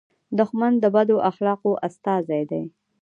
دښمن د بد اخلاقو استازی دی